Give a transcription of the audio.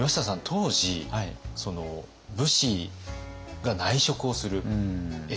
当時武士が内職をする絵を描く。